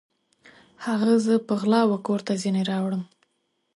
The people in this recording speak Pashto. هغه زه په غلا وکور ته ځیني راوړم